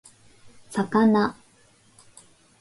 魚